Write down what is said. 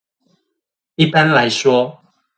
一般來說